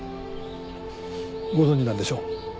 ご存じなんでしょ？